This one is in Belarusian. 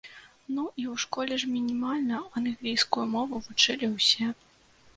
Ну, і ў школе ж мінімальна англійскую мову вучылі ўсе.